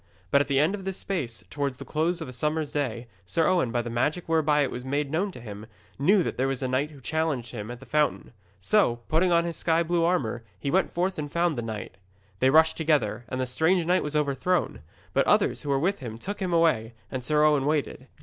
But at the end of this space, towards the close of a summer's day, Sir Owen, by the magic whereby it was made known to him, knew that there was a knight who challenged him at the fountain. So, putting on his sky blue armour, he went forth and found the knight. They rushed together, and the strange knight was overthrown. But others who were with him took him away, and Sir Owen waited.